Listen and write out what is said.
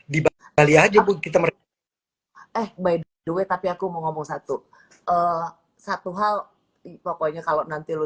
di bali aja bu kita eh by the way tapi aku mau ngomong satu satu hal pokoknya kalau nanti lo